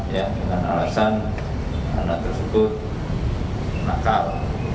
ya dengan alasan anak tersebut nakal